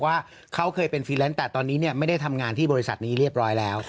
ว่าเขาเคยเป็นฟีแลนซ์แต่ตอนนี้ไม่ได้ทำงานที่บริษัทนี้เรียบร้อยแล้ว